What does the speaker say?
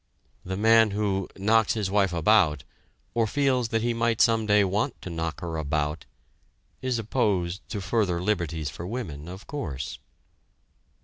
The man who "knocks his wife about" or feels that he might some day want to knock her about, is opposed to further liberties for women, of course.